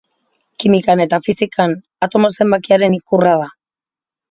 Kimikan eta fisikan, atomo zenbakiaren ikurra da.